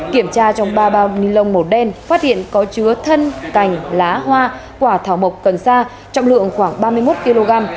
kiểm tra trong ba bao ni lông màu đen phát hiện có chứa thân cành lá hoa quả thảo mộc cần sa trọng lượng khoảng ba mươi một kg